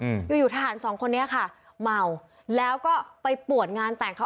อืมอยู่อยู่ทหารสองคนนี้ค่ะเมาแล้วก็ไปปวดงานแต่งเขา